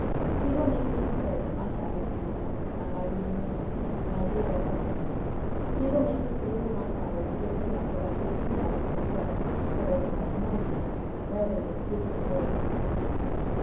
He will make me declare that my happiness depends upon my reunion to him, my 'legal husband.' He will make you plead with my father to give me up without bringing the matter into court!" said Odalite, moaning, rather than speaking the words.